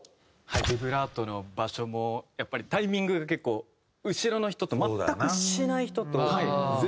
ビブラートの場所もやっぱりタイミングが結構後ろの人と全くしない人と全部こう大きくかける人。